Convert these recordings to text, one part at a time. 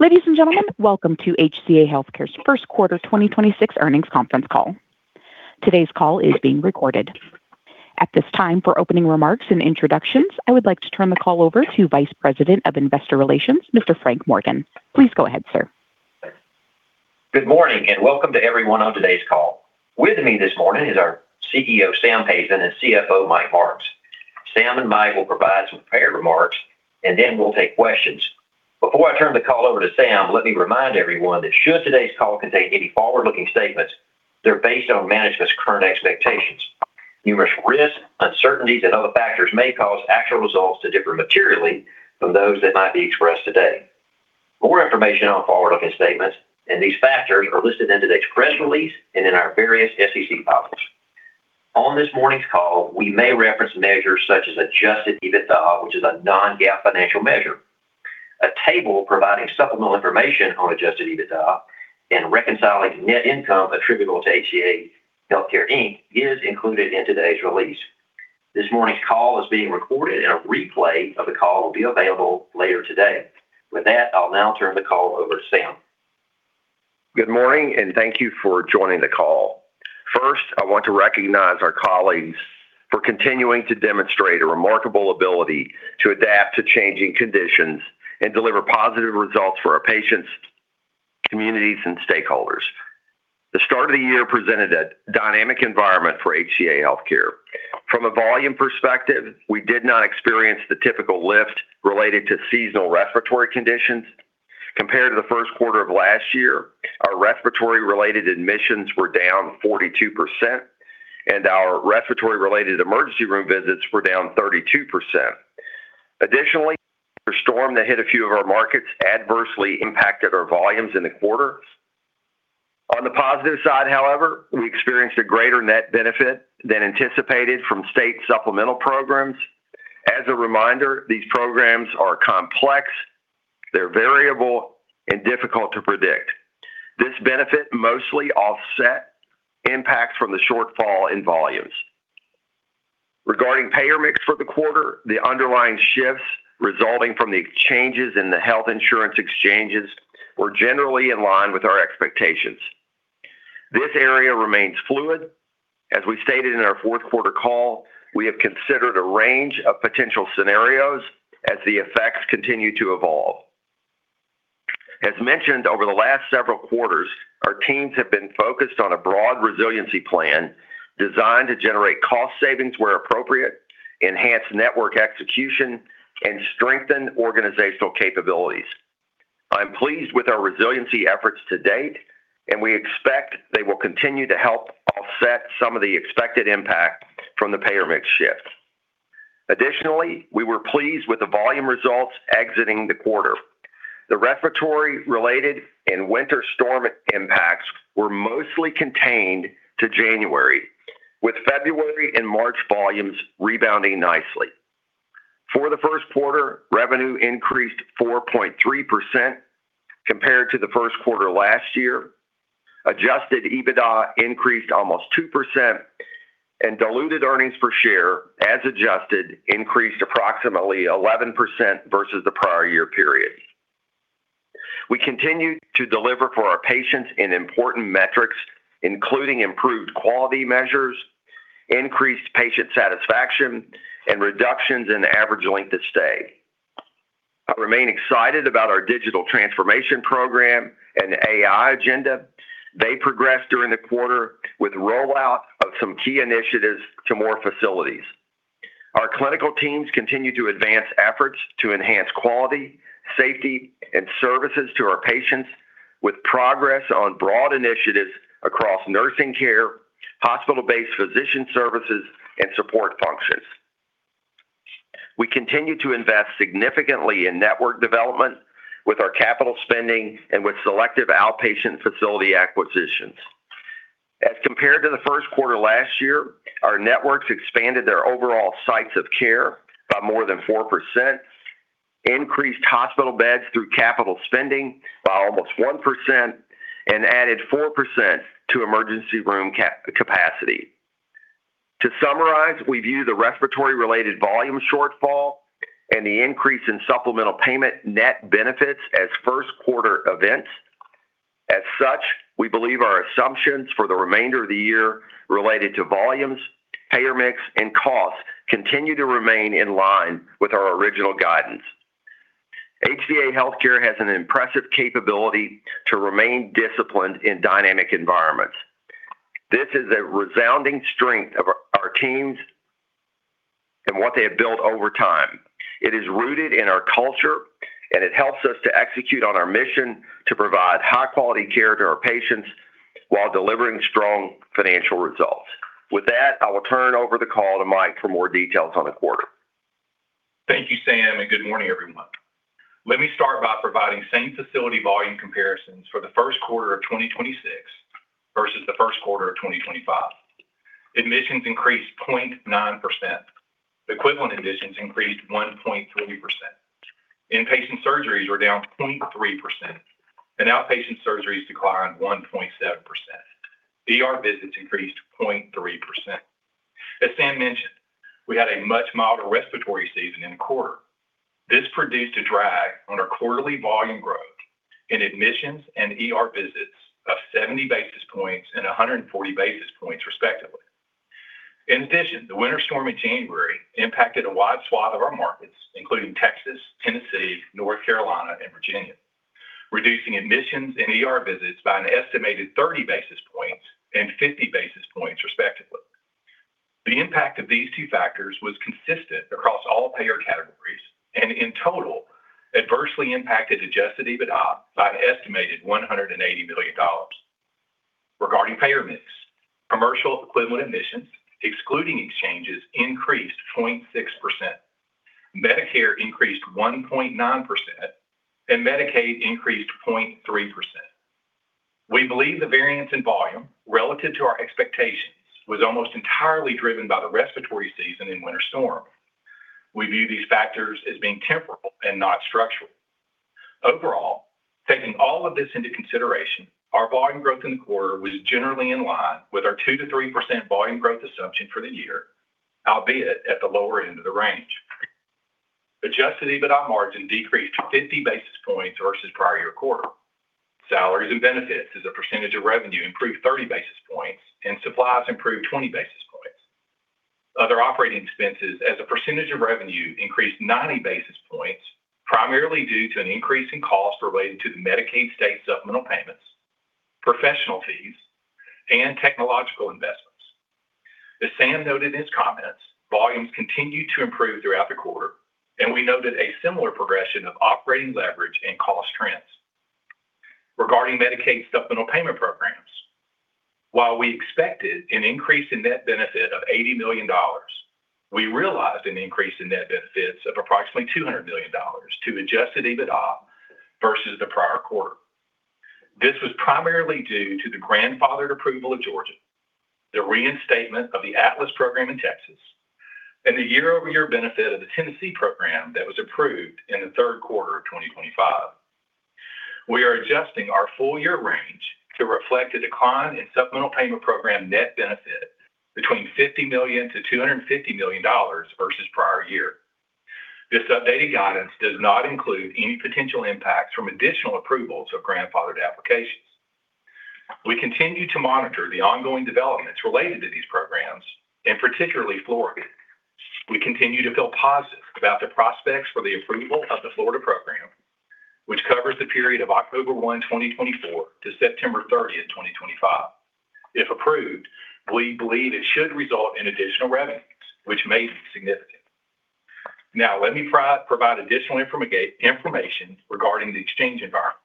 Ladies and gentlemen, welcome to HCA Healthcare's first quarter 2026 earnings conference call. Today's call is being recorded. At this time, for opening remarks and introductions, I would like to turn the call over to Vice President of Investor Relations, Mr. Frank Morgan. Please go ahead, sir. Good morning, and welcome to everyone on today's call. With me this morning is our CEO, Sam Hazen, and CFO, Mike Marks. Sam and Mike will provide some prepared remarks, and then we'll take questions. Before I turn the call over to Sam, let me remind everyone that should today's call contain any forward-looking statements, they're based on management's current expectations. Numerous risks, uncertainties, and other factors may cause actual results to differ materially from those that might be expressed today. More information on forward-looking statements and these factors are listed in today's press release and in our various SEC filings. On this morning's call, we may reference measures such as adjusted EBITDA, which is a non-GAAP financial measure. A table providing supplemental information on adjusted EBITDA and reconciling net income attributable to HCA Healthcare, Inc. is included in today's release. This morning's call is being recorded, and a replay of the call will be available later today. With that, I'll now turn the call over to Sam. Good morning, and thank you for joining the call. First, I want to recognize our colleagues for continuing to demonstrate a remarkable ability to adapt to changing conditions and deliver positive results for our patients, communities, and stakeholders. The start of the year presented a dynamic environment for HCA Healthcare. From a volume perspective, we did not experience the typical lift related to seasonal respiratory conditions. Compared to the first quarter of last year, our respiratory-related admissions were down 42%, and our respiratory-related emergency room visits were down 32%. Additionally, the storm that hit a few of our markets adversely impacted our volumes in the quarter. On the positive side, however, we experienced a greater net benefit than anticipated from state supplemental programs. As a reminder, these programs are complex, they're variable, and difficult to predict. This benefit mostly offset impact from the shortfall in volumes. Regarding payer mix for the quarter, the underlying shifts resulting from the changes in the health insurance exchanges were generally in line with our expectations. This area remains fluid. As we stated in our fourth quarter call, we have considered a range of potential scenarios as the effects continue to evolve. As mentioned over the last several quarters, our teams have been focused on a broad resiliency plan designed to generate cost savings where appropriate, enhance network execution, and strengthen organizational capabilities. I'm pleased with our resiliency efforts to date, and we expect they will continue to help offset some of the expected impact from the payer mix shifts. Additionally, we were pleased with the volume results exiting the quarter. The respiratory-related and winter storm impacts were mostly contained to January, with February and March volumes rebounding nicely. For the first quarter, revenue increased 4.3% compared to the first quarter last year. adjusted EBITDA increased almost 2%, and diluted earnings per share, as adjusted, increased approximately 11% versus the prior year period. We continue to deliver for our patients in important metrics, including improved quality measures, increased patient satisfaction, and reductions in average length of stay. I remain excited about our digital transformation program and AI agenda. They progressed during the quarter with rollout of some key initiatives to more facilities. Our clinical teams continue to advance efforts to enhance quality, safety, and services to our patients with progress on broad initiatives across nursing care, hospital-based physician services, and support functions. We continue to invest significantly in network development with our capital spending and with selective outpatient facility acquisitions. As compared to the first quarter last year, our networks expanded their overall sites of care by more than 4%, increased hospital beds through capital spending by almost 1%, and added 4% to emergency room capacity. To summarize, we view the respiratory-related volume shortfall and the increase in supplemental payment net benefits as first quarter events. As such, we believe our assumptions for the remainder of the year related to volumes, payer mix, and costs continue to remain in line with our original guidance. HCA Healthcare has an impressive capability to remain disciplined in dynamic environments. This is a resounding strength of our teams and what they have built over time. It is rooted in our culture, and it helps us to execute on our mission to provide high-quality care to our patients while delivering strong financial results. With that, I will turn over the call to Mike for more details on the quarter. Thank you, Sam, and good morning, everyone. Let me start by providing same-facility volume comparisons for the first quarter of 2026 versus the first quarter of 2025. Admissions increased 0.9%. Equivalent admissions increased 1.3%. Inpatient surgeries were down 0.3%, and outpatient surgeries declined 1.7%. ER visits increased 0.3%. As Sam mentioned, we had a much milder respiratory season in the quarter. This produced a drag on our quarterly volume growth in admissions and ER visits of 70 basis points and 140 basis points, respectively. In addition, the winter storm in January impacted a wide swath of our markets, including Texas, Tennessee, North Carolina, and Virginia, reducing admissions and ER visits by an estimated 30 basis points and 50 basis points, respectively. The impact of these two factors was consistent across all payer categories, and in total adversely impacted adjusted EBITDA by an estimated $180 million. Regarding payer mix, commercial equivalent admissions, excluding exchanges, increased 26%. Medicare increased 1.9%, and Medicaid increased 0.3%. We believe the variance in volume relative to our expectations was almost entirely driven by the respiratory season and winter storm. We view these factors as being temporal and not structural. Overall, taking all of this into consideration, our volume growth in the quarter was generally in line with our 2%-3% volume growth assumption for the year, albeit at the lower end of the range. Adjusted EBITDA margin decreased 50 basis points versus prior year quarter. Salaries and benefits as a percentage of revenue improved 30 basis points, and supplies improved 20 basis points. Other operating expenses as a percentage of revenue increased 90 basis points, primarily due to an increase in costs related to the Medicaid state supplemental payments, professional fees, and technological investments. As Sam noted in his comments, volumes continued to improve throughout the quarter, and we noted a similar progression of operating leverage and cost trends. Regarding Medicaid supplemental payment programs, while we expected an increase in net benefit of $80 million, we realized an increase in net benefits of approximately $200 million to adjusted EBITDA versus the prior quarter. This was primarily due to the grandfathered approval of Georgia, the reinstatement of the ATLAS program in Texas, and the year-over-year benefit of the Tennessee program that was approved in the third quarter of 2025. We are adjusting our full-year range to reflect a decline in supplemental payment program net benefit between $50 million-$250 million versus prior year. This updated guidance does not include any potential impacts from additional approvals of grandfathered applications. We continue to monitor the ongoing developments related to these programs, and particularly Florida. We continue to feel positive about the prospects for the approval of the Florida program, which covers the period of October 1, 2024, to September 30, 2025. If approved, we believe it should result in additional revenues, which may be significant. Now, let me provide additional information regarding the exchange environment.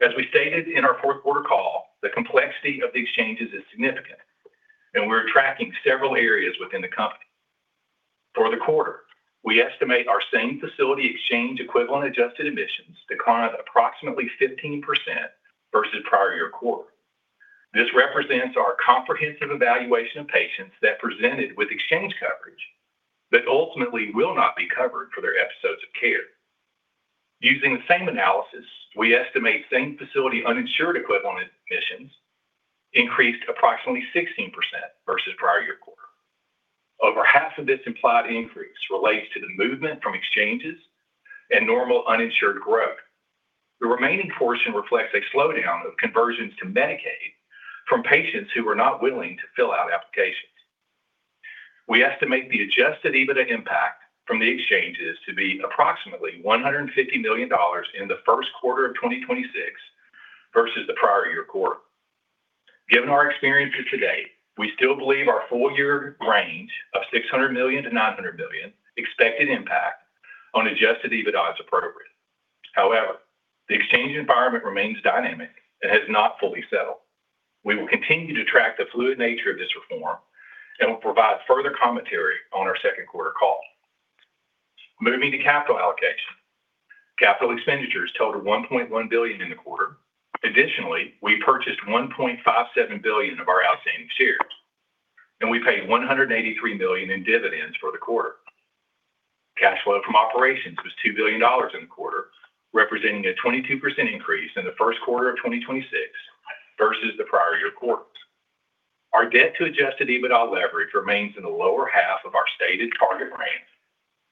As we stated in our fourth quarter call, the complexity of the exchanges is significant, and we're tracking several areas within the company. For the quarter, we estimate our same facility exchange equivalent adjusted admissions declined approximately 15% versus prior year quarter. This represents our comprehensive evaluation of patients that presented with exchange coverage, but ultimately will not be covered for their episodes of care. Using the same analysis, we estimate same facility uninsured equivalent admissions increased approximately 16% versus prior year quarter. Over half of this implied increase relates to the movement from exchanges and normal uninsured growth. The remaining portion reflects a slowdown of conversions to Medicaid from patients who are not willing to fill out applications. We estimate the adjusted EBITDA impact from the exchanges to be approximately $150 million in the first quarter of 2026 versus the prior year quarter. Given our experience to today, we still believe our full-year range of $600million -$900 million expected impact on adjusted EBITDA is appropriate. However, the exchange environment remains dynamic and has not fully settled. We will continue to track the fluid nature of this reform and will provide further commentary on our second quarter call. Moving to capital allocation. Capital expenditures totaled $1.1 billion in the quarter. Additionally, we purchased $1.57 billion of our outstanding shares, and we paid $183 million in dividends for the quarter. Cash flow from operations was $2 billion in the quarter, representing a 22% increase in the first quarter of 2026 versus the prior year quarter. Our debt to adjusted EBITDA leverage remains in the lower half of our stated target range,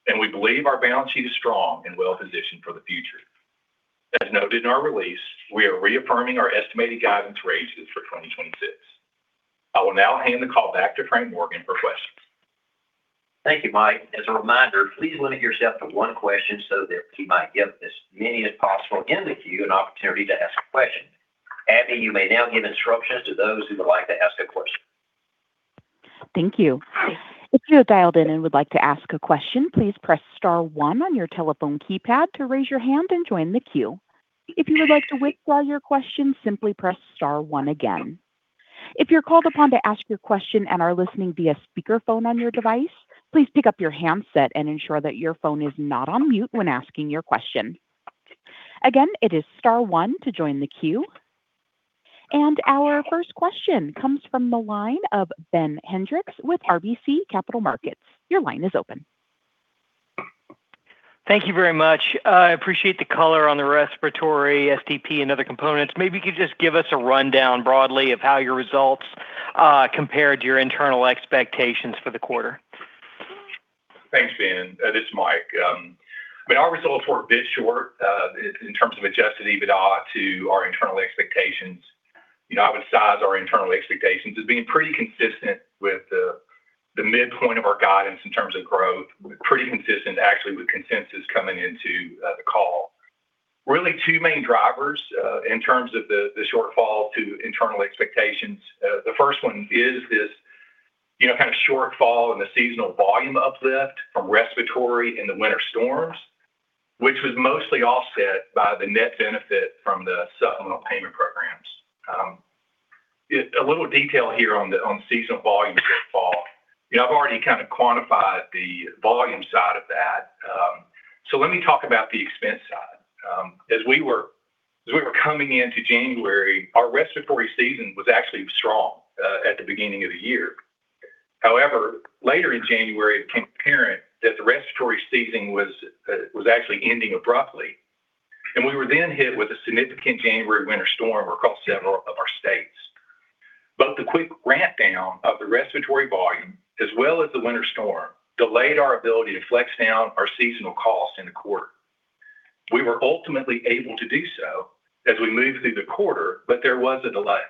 and we believe our balance sheet is strong and well-positioned for the future. As noted in our release, we are reaffirming our estimated guidance ranges for 2026. I will now hand the call back to Frank Morgan for questions. Thank you, Mike. As a reminder, please limit yourself to one question so that we might give as many as possible in the queue an opportunity to ask a question. Abby, you may now give instructions to those who would like to ask a question. Thank you. If you have dialed in and would like to ask a question, please press star one on your telephone keypad to raise your hand and join the queue. If you would like to withdraw your question, simply press star one again. If you're called upon to ask your question and are listening via speakerphone on your device, please pick up your handset and ensure that your phone is not on mute when asking your question. Again, it is star one to join the queue. Our first question comes from the line of Ben Hendrix with RBC Capital Markets. Your line is open. Thank you very much. I appreciate the color on the respiratory STP and other components. Maybe you could just give us a rundown broadly of how your results compared to your internal expectations for the quarter. Thanks, Ben. This is Mike. Our results were a bit short in terms of adjusted EBITDA to our internal expectations. I would size our internal expectations as being pretty consistent with the midpoint of our guidance in terms of growth, pretty consistent actually with consensus coming into the call. Really two main drivers in terms of the shortfall to internal expectations. The first one is this kind of shortfall in the seasonal volume uplift from respiratory and the winter storms, which was mostly offset by the net benefit from the supplemental payment programs. A little detail here on the seasonal volume shortfall. I've already kind of quantified the volume side of that. Let me talk about the expense side. As we were coming into January, our respiratory season was actually strong at the beginning of the year. However, later in January, it became apparent that the respiratory season was actually ending abruptly. We were then hit with a significant January winter storm across several of our states. Both the quick ramp down of the respiratory volume, as well as the winter storm, delayed our ability to flex down our seasonal cost in the quarter. We were ultimately able to do so as we moved through the quarter, but there was a delay.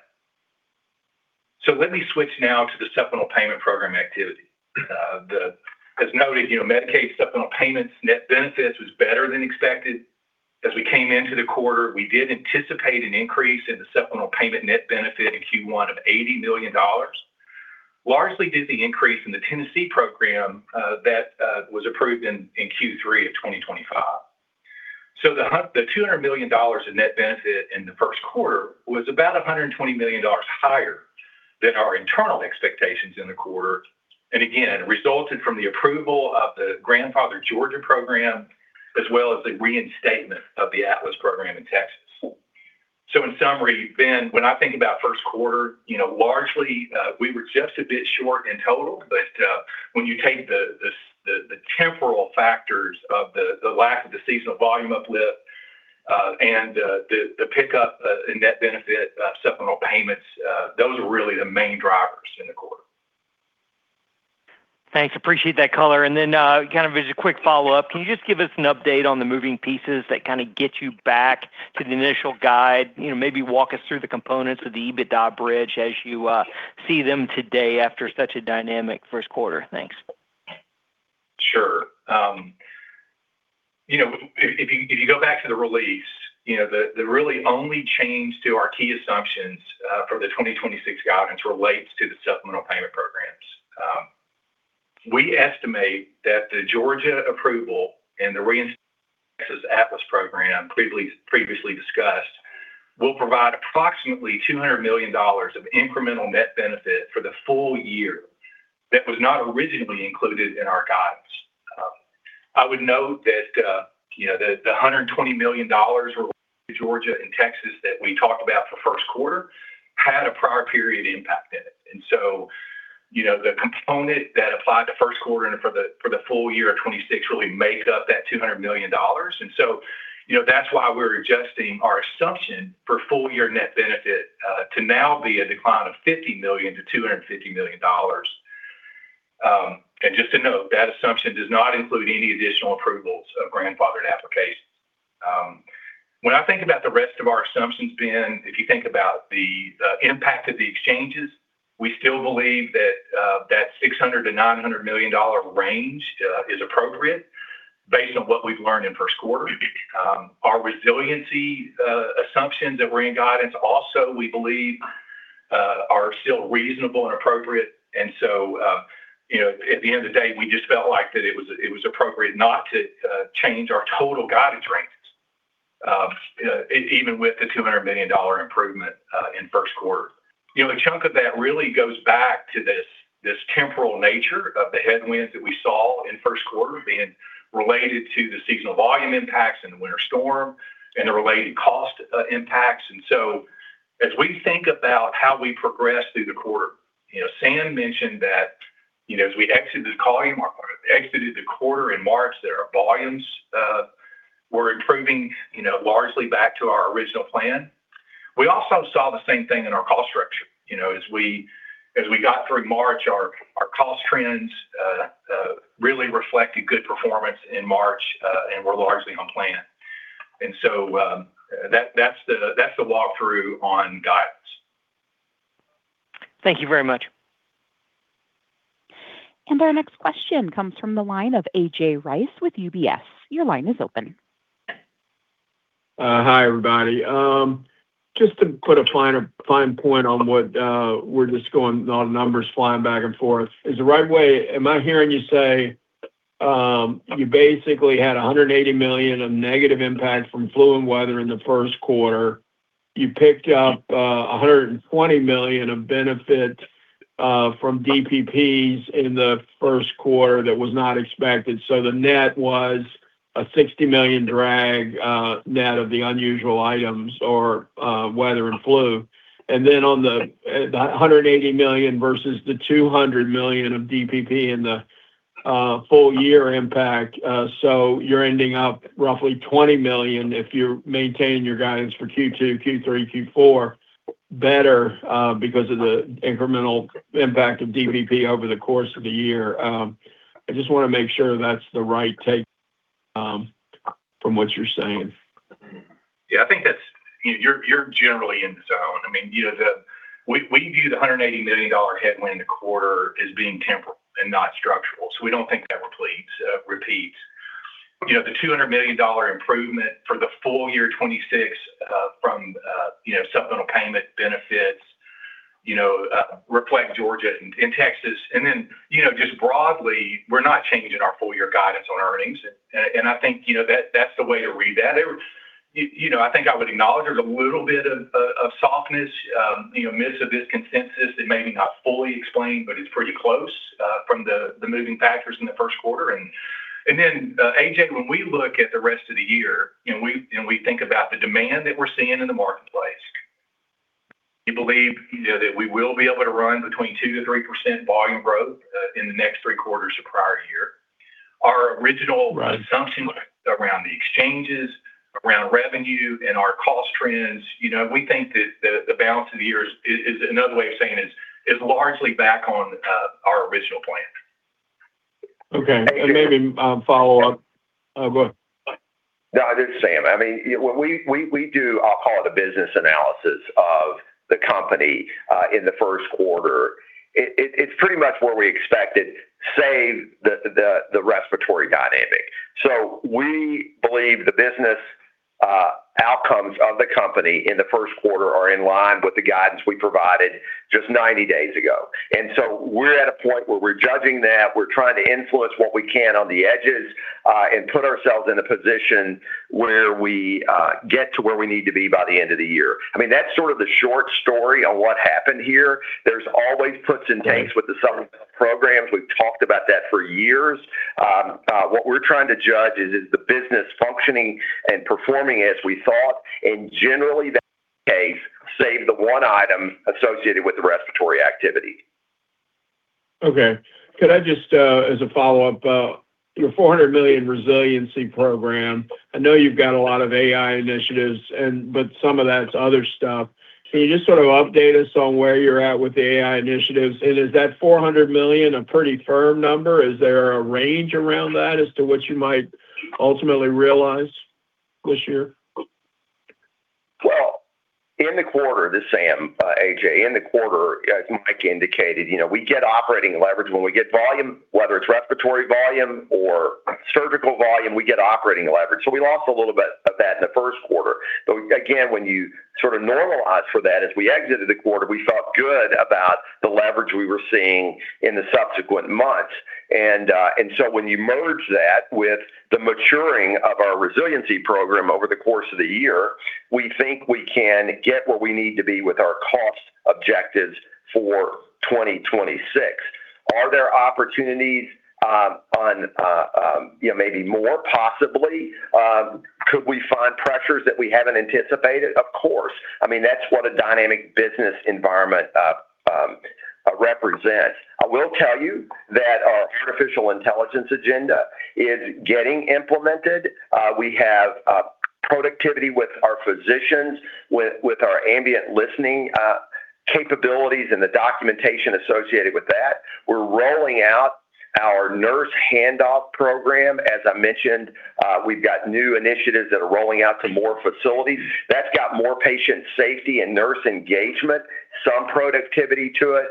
Let me switch now to the supplemental payment program activity. As noted, Medicaid supplemental payments net benefits was better than expected. As we came into the quarter, we did anticipate an increase in the supplemental payment net benefit in Q1 of $80 million. Largely due to the increase in the Tennessee program that was approved in Q3 of 2025. The $200 million in net benefit in the first quarter was about $120 million higher than our internal expectations in the quarter, and again, resulted from the approval of the grandfathered Georgia program, as well as the reinstatement of the ATLAS program in Texas. In summary, Ben, when I think about first quarter, largely, we were just a bit short in total, but when you take the temporal factors of the lack of the seasonal volume uplift and the pickup in net benefit supplemental payments, those are really the main drivers in the quarter. Thanks. Appreciate that color. Kind of as a quick follow-up, can you just give us an update on the moving pieces that kind of get you back to the initial guide? Maybe walk us through the components of the EBITDA bridge as you see them today after such a dynamic first quarter. Thanks. Sure. If you go back to the release, the really only change to our key assumptions for the 2026 guidance relates to the supplemental payment programs. We estimate that the Georgia approval and the reinstatement of the ATLAS Program previously discussed will provide approximately $200 million of incremental net benefit for the full year that was not originally included in our guidance. I would note that the $120 million related to Georgia and Texas that we talked about for first quarter had a prior period impact in it. The component that applied to first quarter and for the full year of 2026 really make up that $200 million. That's why we're adjusting our assumption for full year net benefit to now be a decline of $50 million-$250 million. Just to note, that assumption does not include any additional approvals of grandfathered applications. When I think about the rest of our assumptions, Ben, if you think about the impact of the exchanges, we still believe that $600 million-$900 million range is appropriate based on what we've learned in first quarter. Our resiliency assumptions that were in guidance also, we believe are still reasonable and appropriate. At the end of the day, we just felt like that it was appropriate not to change our total guidance range, even with the $200 million improvement in first quarter. A chunk of that really goes back to this temporal nature of the headwinds that we saw in first quarter being related to the seasonal volume impacts and the winter storm and the related cost impacts. As we think about how we progress through the quarter, Sam mentioned that, as we exited the quarter in March, that our volumes were improving largely back to our original plan. We also saw the same thing in our cost structure. As we got through March, our cost trends really reflected good performance in March, and we're largely on plan. That's the walkthrough on guidance. Thank you very much. Our next question comes from the line of A.J. Rice with UBS. Your line is open. Hi, everybody. Just to put a finer point on it. With all the numbers flying back and forth. Is that the right way? Am I hearing you say you basically had $180 million of negative impact from flu and weather in the first quarter? You picked up $120 million of benefit from DPPs in the first quarter that was not expected. The net was a $60 million drag, net of the unusual items or weather and flu. Then on the $180 million versus the $200 million of DPP in the full year impact, so you're ending up roughly $20 million if you maintain your guidance for Q2, Q3, Q4 better because of the incremental impact of DPP over the course of the year. I just want to make sure that's the right take from what you're saying. Yeah. I think you're generally in the zone. We view the $180 million headwind in the quarter as being temporal and not structural. We don't think that repeats. The $200 million improvement for the full year 2026 from supplemental payment benefits reflect Georgia and Texas, and then just broadly, we're not changing our full year guidance on earnings. I think that's the way to read that. I think I would acknowledge there's a little bit of softness amidst of this consensus that may be not fully explained, but it's pretty close from the moving factors in the first quarter. Then, A.J., when we look at the rest of the year and we think about the demand that we're seeing in the marketplace, we believe that we will be able to run between 2%-3% volume growth in the next three quarters of prior year. Our original- Right Assumption around the exchanges, around revenue, and our cost trends, we think that the balance of the year is another way of saying is largely back on our original plan. Okay. Maybe follow up. Go ahead. No, this is Sam. When we do, I'll call it, a business analysis of the company in the first quarter, it's pretty much where we expected, save the respiratory dynamic. We believe the business outcomes of the company in the first quarter are in line with the guidance we provided just 90 days ago. We're at a point where we're judging that, we're trying to influence what we can on the edges, and put ourselves in a position where we get to where we need to be by the end of the year. That's sort of the short story on what happened here. There's always puts and takes with the supplemental programs. We've talked about that for years. What we're trying to judge is the business functioning and performing as we thought? Generally, that's the case, save the one item associated with the respiratory activity. Okay. Could I just, as a follow-up, your $400 million resiliency program, I know you've got a lot of AI initiatives, but some of that's other stuff. Can you just sort of update us on where you're at with the AI initiatives? And is that $400 million a pretty firm number? Is there a range around that as to what you might ultimately realize this year? Well, in the quarter, this is Sam, A.J. In the quarter, as Mike indicated, we get operating leverage when we get volume, whether it's respiratory volume or surgical volume, we get operating leverage. We lost a little bit of that in the first quarter. Again, when you sort of normalize for that, as we exited the quarter, we felt good about the leverage we were seeing in the subsequent months. When you merge that with the maturing of our resiliency program over the course of the year, we think we can get where we need to be with our cost objectives for 2026. Are there opportunities on maybe more possibly? Could we find pressures that we haven't anticipated? Of course. That's what a dynamic business environment represents. I will tell you that our artificial intelligence agenda is getting implemented. We have productivity with our physicians, with our ambient listening capabilities and the documentation associated with that. We're rolling out our nurse handoff program. As I mentioned, we've got new initiatives that are rolling out to more facilities. That's got more patient safety and nurse engagement, some productivity to it.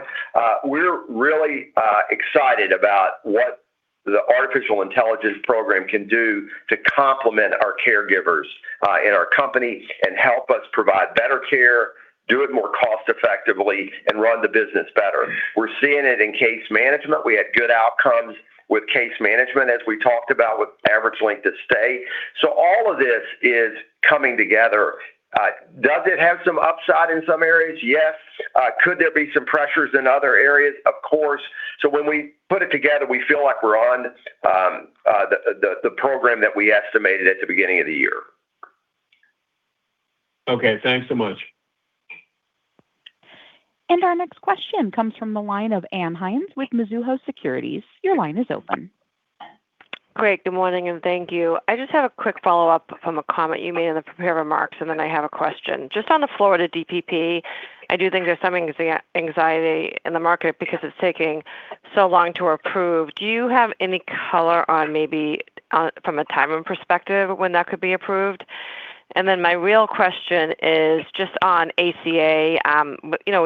We're really excited about what the artificial intelligence program can do to complement our caregivers in our company and help us provide better care, do it more cost effectively, and run the business better. We're seeing it in case management. We had good outcomes with case management, as we talked about with average length of stay. All of this is coming together. Does it have some upside in some areas? Yes. Could there be some pressures in other areas? Of course. When we put it together, we feel like we're on the program that we estimated at the beginning of the year. Okay. Thanks so much. Our next question comes from the line of Ann Hynes with Mizuho Securities. Your line is open. Great. Good morning, and thank you. I just have a quick follow-up from a comment you made in the prepared remarks, and then I have a question. Just on the Florida DPP, I do think there's some anxiety in the market because it's taking so long to approve. Do you have any color on maybe from a timing perspective when that could be approved? And then my real question is just on ACA,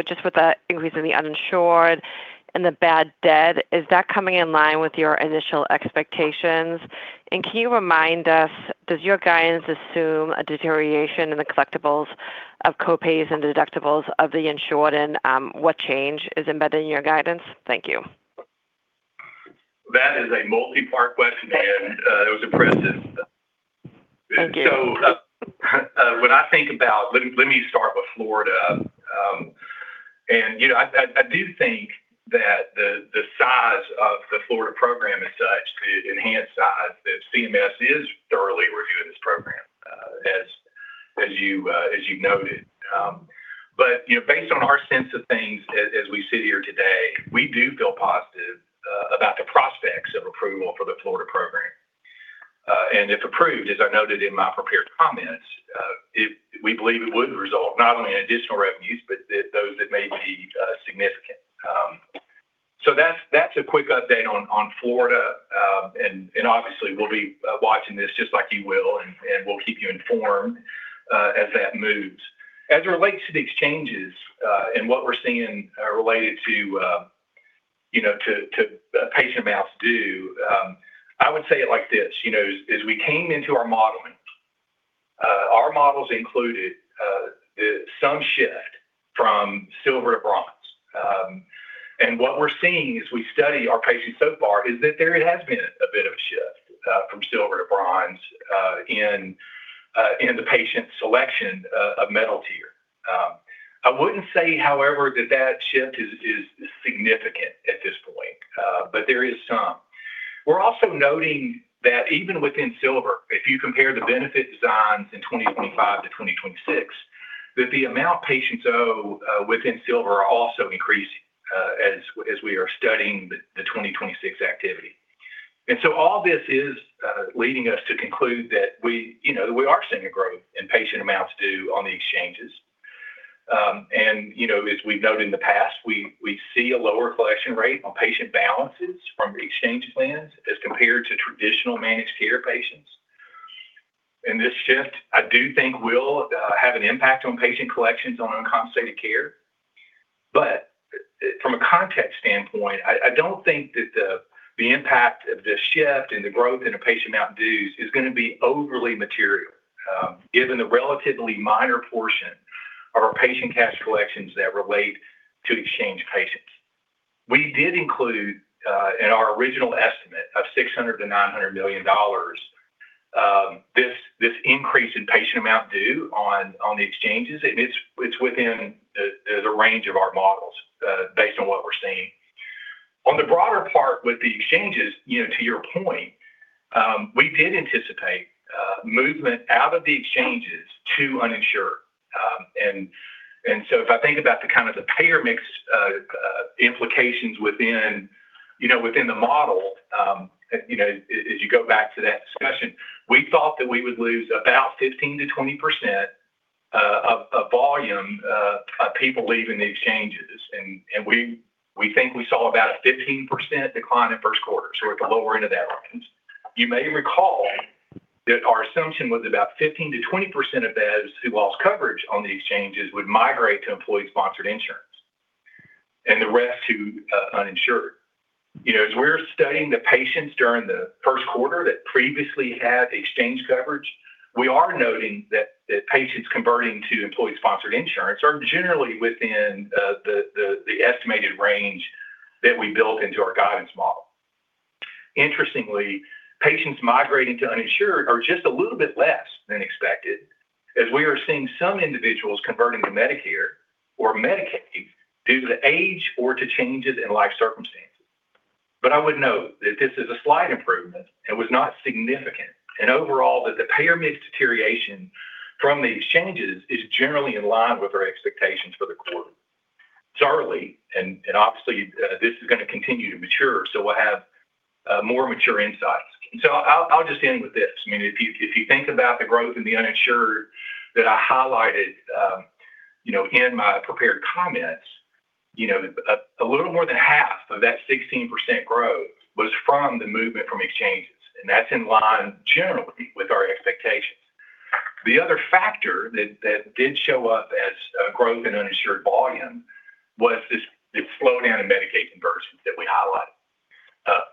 just with the increase in the uninsured and the bad debt, is that coming in line with your initial expectations? And can you remind us, does your guidance assume a deterioration in the collectibles of co-pays and deductibles of the insured? And what change is embedded in your guidance? Thank you. That is a multi-part question, Ann. It was impressive. Thank you. Let me start with Florida. I do think that the size of the Florida program is such, the enhanced size, that CMS is thoroughly reviewing this program as you noted. Based on our sense of things as we sit here today, we do feel positive about the prospects of approval for the Florida program. If approved, as I noted in my prepared comments, we believe it would result not only in additional revenues, but those that may be significant. That's a quick update on Florida, and obviously, we'll be watching this just like you will, and we'll keep you informed as that moves. As it relates to the exchanges and what we're seeing related to patient amounts due, I would say it like this. As we came into our modeling, our models included some shift from silver to bronze. What we're seeing as we study our patients so far is that there has been a bit of a shift from Silver to Bronze in the patient selection of metal tier. I wouldn't say, however, that shift is significant at this point, but there is some. We're also noting that even within Silver, if you compare the benefit designs in 2025 to 2026, that the amount patients owe within Silver are also increasing as we are studying the 2026 activity. All this is leading us to conclude that we are seeing a growth in patient amounts due on the exchanges. As we've noted in the past, we see a lower collection rate on patient balances from the exchange plans as compared to traditional managed care patients. This shift, I do think, will have an impact on patient collections on uncompensated care. From a context standpoint, I don't think that the impact of this shift and the growth in a patient amounts due is going to be overly material, given the relatively minor portion of our patient cash collections that relate to exchange patients. We did include, in our original estimate of $600 million-$900 million, this increase in patient amounts due on the exchanges, and it's within the range of our models based on what we're seeing. On the broader part with the exchanges, to your point, we did anticipate movement out of the exchanges to uninsured. If I think about the kind of the payer mix implications within the model, as you go back to that discussion, we thought that we would lose about 15%-20% of volume of people leaving the exchanges. We think we saw about a 15% decline in first quarter, so at the lower end of that range. You may recall that our assumption was about 15%-20% of those who lost coverage on the exchanges would migrate to employee-sponsored insurance, and the rest to uninsured. As we're studying the patients during the first quarter that previously had exchange coverage, we are noting that patients converting to employee-sponsored insurance are generally within the estimated range that we built into our guidance model. Interestingly, patients migrating to uninsured are just a little bit less than expected, as we are seeing some individuals converting to Medicare or Medicaid due to age or to changes in life circumstances. I would note that this is a slight improvement and was not significant, and overall, that the payer mix deterioration from the exchanges is generally in line with our expectations for the quarter. It's early, and obviously, this is going to continue to mature, so we'll have more mature insights. I'll just end with this. If you think about the growth in the uninsured that I highlighted in my prepared comments, a little more than half of that 16% growth was from the movement from exchanges, and that's in line generally with our expectations. The other factor that did show up as a growth in uninsured volume was this slowdown in Medicaid conversions that we highlighted.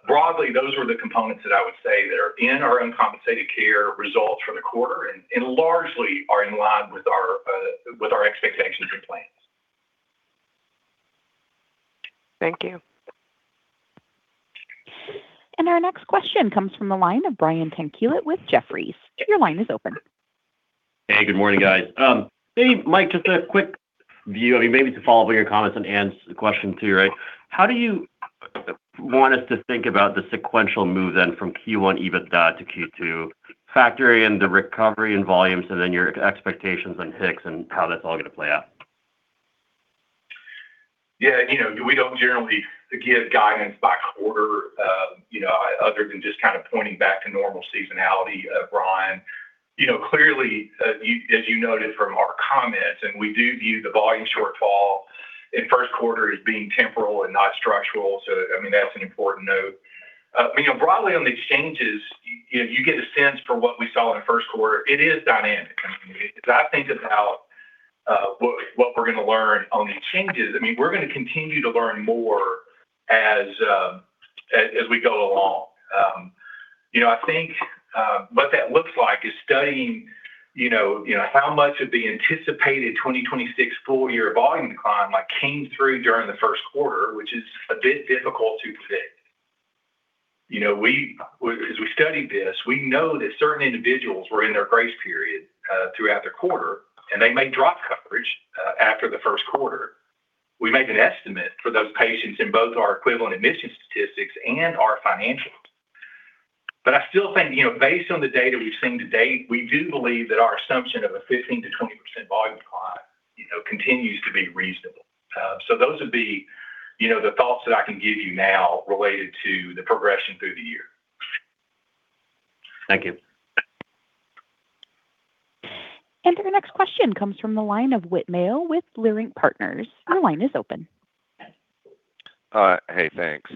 Broadly, those were the components that I would say that are in our uncompensated care results for the quarter and largely are in line with our expectations and plans. Thank you. Our next question comes from the line of Brian Tanquilut with Jefferies. Your line is open. Hey, good morning, guys. Hey, Mike, just a quick view, maybe to follow up on your comments and Ann's question, too. How do you want us to think about the sequential move, then, from Q1 EBITDA to Q2, factoring in the recovery in volume, so then your expectations on HIX and how that's all going to play out? Yeah. We don't generally give guidance by quarter, other than just kind of pointing back to normal seasonality, Brian. Clearly, as you noted from our comments, we do view the volume shortfall in first quarter as being temporal and not structural, so that's an important note. Broadly on the exchanges, you get a sense for what we saw in the first quarter. It is dynamic. As I think about what we're going to learn on the exchanges, we're going to continue to learn more as we go along. I think what that looks like is studying how much of the anticipated 2026 full year volume decline came through during the first quarter, which is a bit difficult to fit. As we studied this, we know that certain individuals were in their grace period throughout the quarter, and they may drop coverage after the first quarter. We make an estimate for those patients in both our equivalent admission statistics and our financials. I still think, based on the data we've seen to date, we do believe that our assumption of a 15%-20% volume decline continues to be reasonable. Those would be the thoughts that I can give you now related to the progression through the year. Thank you. Our next question comes from the line of Whit Mayo with Leerink Partners. Your line is open. Hey, thanks.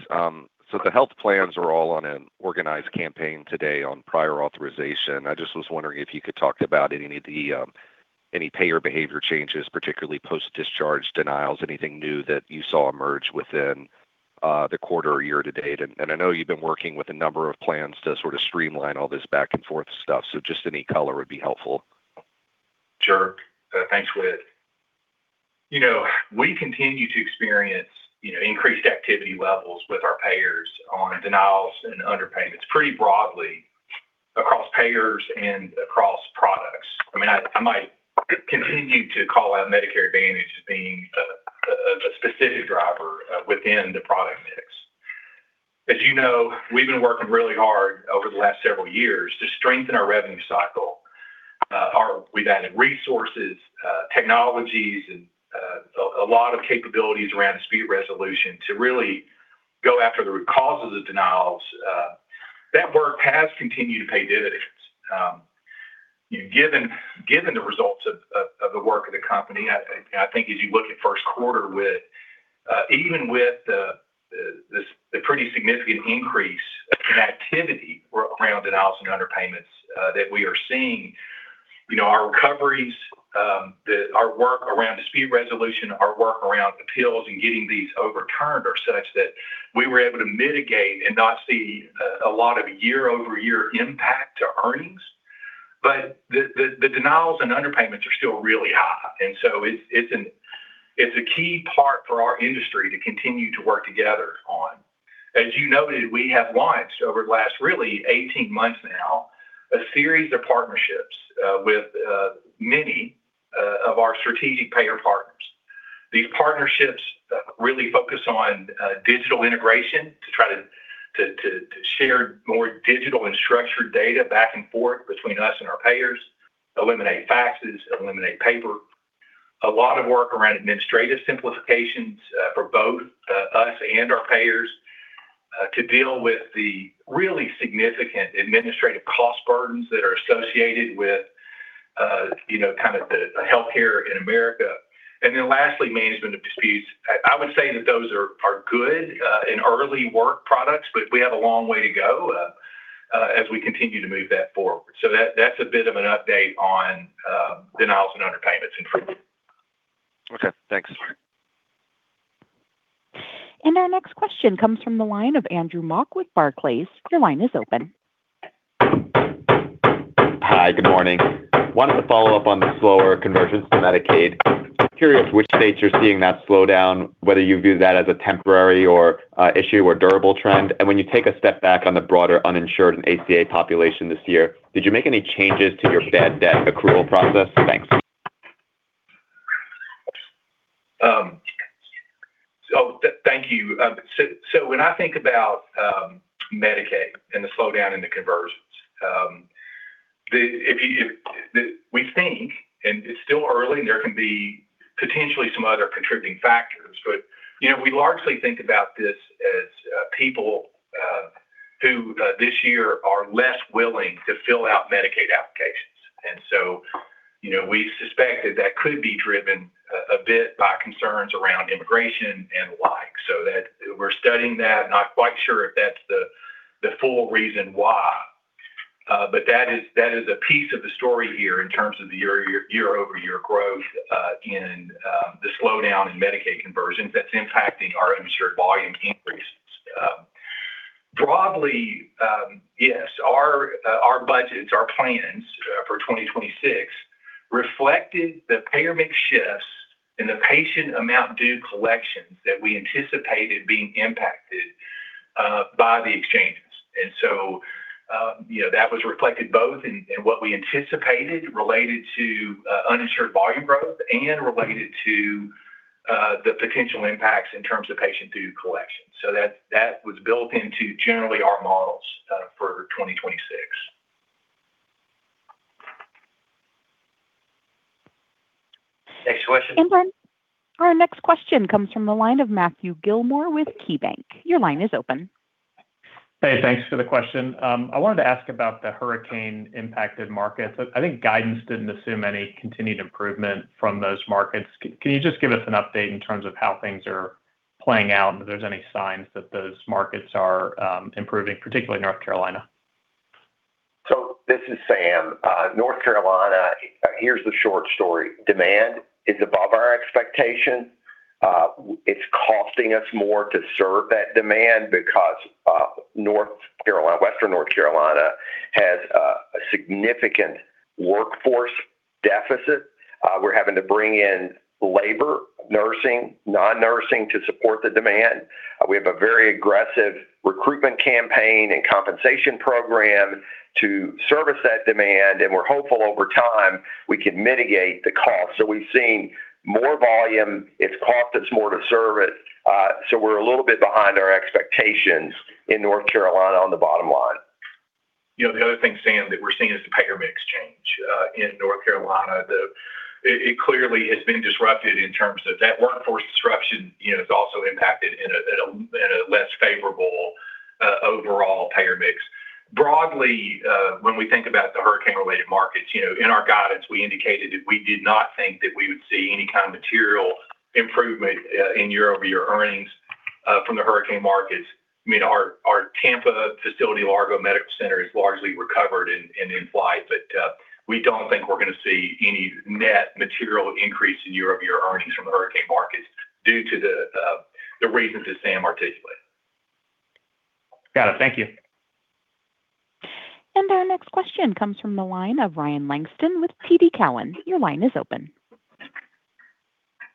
The health plans are all on an organized campaign today on prior authorization. I just was wondering if you could talk about any payer behavior changes, particularly post-discharge denials, anything new that you saw emerge within the quarter or year to date. I know you've been working with a number of plans to sort of streamline all this back and forth stuff, so just any color would be helpful. Sure. Thanks, Whit. We continue to experience increased activity levels with our payers on denials and underpayments pretty broadly across payers and across products. I might continue to call out Medicare Advantage as being a specific driver within the product mix. As you know, we've been working really hard over the last several years to strengthen our revenue cycle. We've added resources, technologies, and a lot of capabilities around dispute resolution to really go after the root cause of the denials. That work has continued to pay dividends. Given the results of the work of the company, I think as you look at first quarter, Whit, even with the pretty significant increase in activity around denials and underpayments that we are seeing, our recoveries, our work around dispute resolution, our work around appeals and getting these overturned are such that we were able to mitigate and not see a lot of year-over-year impact to earnings. The denials and underpayments are still really high, and so it's a key part for our industry to continue to work together on. As you noted, we have launched over the last really 18 months now, a series of partnerships with many of our strategic payer partners. These partnerships really focus on digital integration to try to share more digital and structured data back and forth between us and our payers, eliminate faxes, eliminate paper. A lot of work around administrative simplifications for both us and our payers to deal with the really significant administrative cost burdens that are associated with the healthcare in America. Then lastly, management of disputes. I would say that those are good in early work products, but we have a long way to go as we continue to move that forward. That's a bit of an update on denials and underpayments in. Okay, thanks. Sure. Our next question comes from the line of Andrew Mok with Barclays. Your line is open. Hi, good morning. Wanted to follow up on the slower conversions to Medicaid. Curious which states you're seeing that slow down, whether you view that as a temporary or issue or durable trend. When you take a step back on the broader uninsured and ACA population this year, did you make any changes to your bad debt accrual process? Thanks. Thank you. When I think about Medicaid and the slowdown in the conversions, we think, and it's still early and there can be potentially some other contributing factors, but we largely think about this as people who this year are less willing to fill out Medicaid applications. We suspect that that could be driven a bit by concerns around immigration and the like. We're studying that. Not quite sure if that's the full reason why, but that is a piece of the story here in terms of the year-over-year growth in the slowdown in Medicaid conversions that's impacting our insured volume increases. Broadly, yes, our budgets, our plans for 2026 reflected the payer mix shifts and the patient amount due collections that we anticipated being impacted by the exchanges. that was reflected both in what we anticipated related to uninsured volume growth and related to the potential impacts in terms of patient due collections. That was built into generally our models for 2026. Next question. Our next question comes from the line of Matthew Gilmore with KeyBanc. Your line is open. Hey, thanks for the question. I wanted to ask about the hurricane impacted markets. I think guidance didn't assume any continued improvement from those markets. Can you just give us an update in terms of how things are playing out and if there's any signs that those markets are improving, particularly North Carolina? This is Sam. North Carolina, here's the short story. Demand is above our expectation. It's costing us more to serve that demand because Western North Carolina has a significant workforce deficit. We're having to bring in labor, nursing, non-nursing to support the demand. We have a very aggressive recruitment campaign and compensation program to service that demand, and we're hopeful over time we can mitigate the cost. We've seen more volume. It's cost us more to serve it. We're a little bit behind our expectations in North Carolina on the bottom line. The other thing, Sam, that we're seeing is the payer mix change in North Carolina. It clearly has been disrupted in terms of that, workforce disruption has also impacted in a less favorable overall payer mix. Broadly, when we think about the hurricane-related markets, in our guidance, we indicated that we did not think that we would see any kind of material improvement in year-over-year earnings from the hurricane markets. Our Tampa facility, Largo Medical Center, is largely recovered and in flight, but we don't think we're going to see any net material increase in year-over-year earnings from the hurricane markets due to the reasons that Sam articulated. Got it. Thank you. Our next question comes from the line of Ryan Langston with TD Cowen. Your line is open.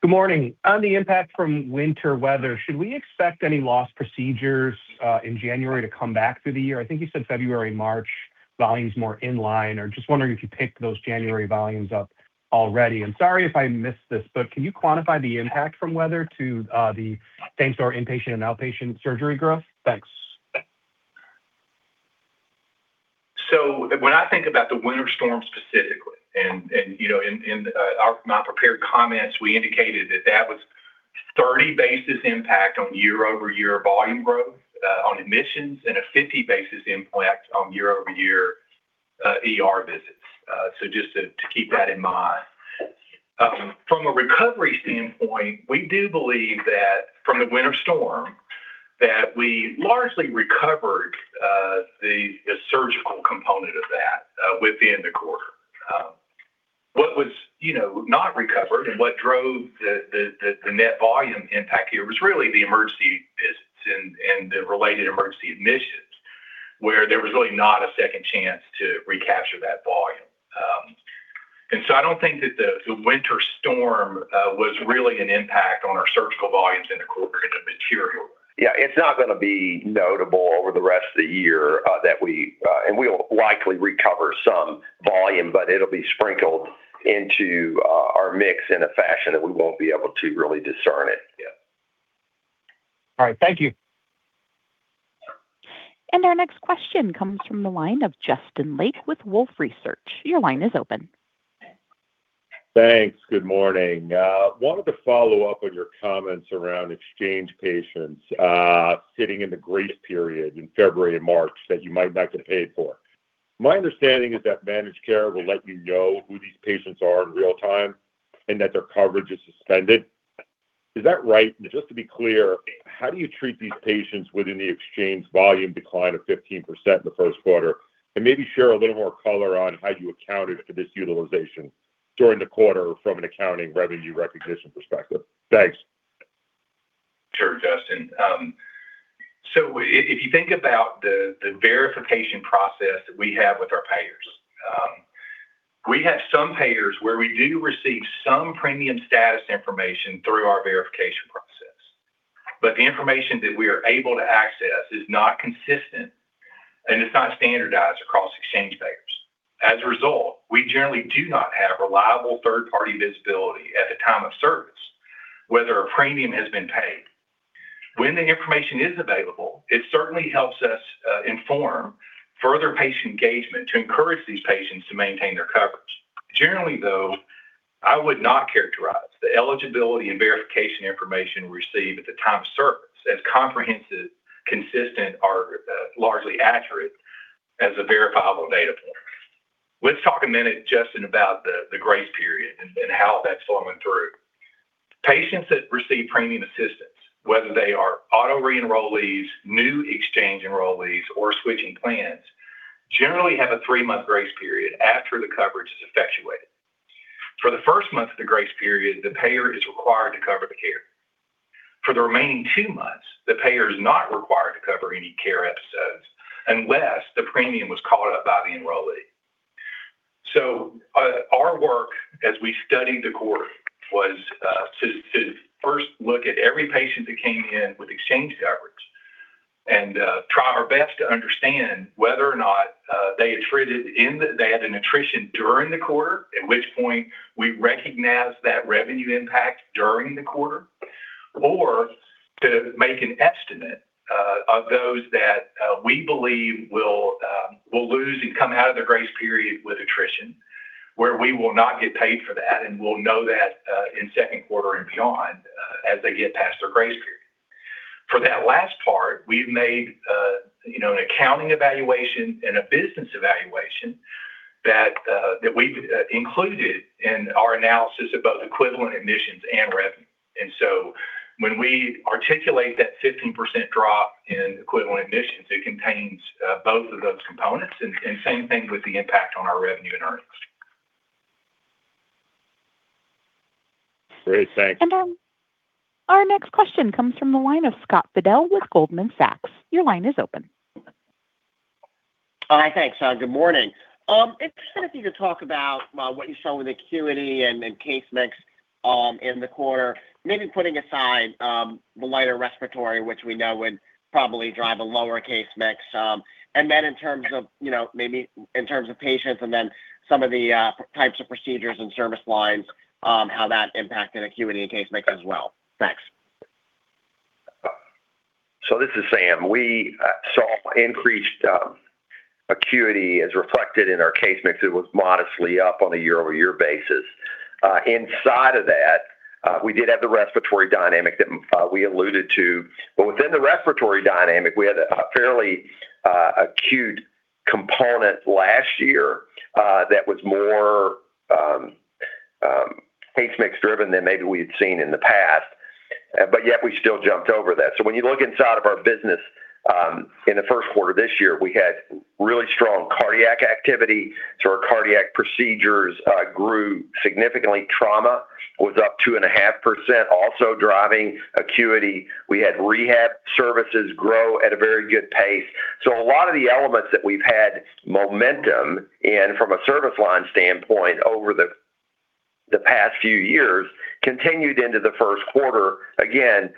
Good morning. On the impact from winter weather, should we expect any lost procedures in January to come back through the year? I think you said February, March volumes more in line, or just wondering if you picked those January volumes up already. Sorry if I missed this, but can you quantify the impact from weather to the same-store inpatient and outpatient surgery growth? Thanks. When I think about the winter storm specifically, and in my prepared comments, we indicated that that was 30 basis points impact on year-over-year volume growth on admissions and a 50 basis points impact on year-over-year ER visits. Just to keep that in mind. From a recovery standpoint, we do believe that from the winter storm, that we largely recovered the surgical component of that within the quarter. What was not recovered and what drove the net volume impact here was really the emergency visits and the related emergency admissions, where there was really not a second chance to recapture that volume. I don't think that the winter storm was really an impact on our surgical volumes in the quarter that was material. Yeah, it's not going to be notable over the rest of the year, and we'll likely recover some volume, but it'll be sprinkled into our mix in a fashion that we won't be able to really discern it. All right. Thank you. Our next question comes from the line of Justin Lake with Wolfe Research. Your line is open. Thanks. Good morning. I wanted to follow up on your comments around exchange patients sitting in the grace period in February and March that you might not get paid for. My understanding is that managed care will let you know who these patients are in real time and that their coverage is suspended. Is that right? Just to be clear, how do you treat these patients within the exchange volume decline of 15% in the first quarter? Maybe share a little more color on how you accounted for this utilization during the quarter from an accounting revenue recognition perspective. Thanks. Sure, Justin. If you think about the verification process that we have with our payers, we have some payers where we do receive some premium status information through our verification process. The information that we are able to access is not consistent, and it's not standardized across exchange payers. As a result, we generally do not have reliable third-party visibility at the time of service, whether a premium has been paid. When the information is available, it certainly helps us inform further patient engagement to encourage these patients to maintain their coverage. Generally, though, I would not characterize the eligibility and verification information received at the time of service as comprehensive, consistent, or largely accurate as a verifiable data point. Let's talk a minute, Justin, about the grace period and how that's flowing through. Patients that receive premium assistance, whether they are auto re-enrollees, new exchange enrollees, or switching plans, generally have a three-month grace period after the coverage is effectuated. For the first month of the grace period, the payer is required to cover the care. For the remaining two months, the payer is not required to cover any care episodes unless the premium was caught up by the enrollee. Our work, as we studied the quarter, was to first look at every patient that came in with exchange coverage and try our best to understand whether or not they had an attrition during the quarter, at which point we recognized that revenue impact during the quarter, or to make an estimate of those that we believe will lose and come out of the grace period with attrition, where we will not get paid for that, and we'll know that in second quarter and beyond as they get past their grace period. For that last part, we've made an accounting evaluation and a business evaluation that we've included in our analysis of both equivalent admissions and revenue. When we articulate that 15% drop in equivalent admissions, it contains both of those components, and same thing with the impact on our revenue and earnings. Great. Thanks. Our next question comes from the line of Scott Fidel with Goldman Sachs. Your line is open. All right, thanks. Good morning. I'm interested if you could talk about what you saw with acuity and case mix in the quarter, maybe putting aside the lighter respiratory, which we know would probably drive a lower case mix. In terms of patients and then some of the types of procedures and service lines, how that impacted acuity and case mix as well. Thanks. This is Sam. We saw increased acuity as reflected in our case mix. It was modestly up on a year-over-year basis. Inside of that, we did have the respiratory dynamic that we alluded to. Within the respiratory dynamic, we had a fairly acute component last year that was more case mix driven than maybe we had seen in the past, but yet we still jumped over that. When you look inside of our business in the first quarter this year, we had really strong cardiac activity. Our cardiac procedures grew significantly. Trauma was up 2.5%, also driving acuity. We had rehab services grow at a very good pace. A lot of the elements that we've had momentum in from a service line standpoint over the past few years continued into the first quarter, again,